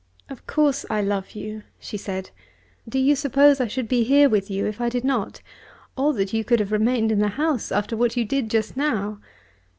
"Of course I love you," she said. "Do you suppose I should be here with you if I did not, or that you could have remained in the house after what you did just now?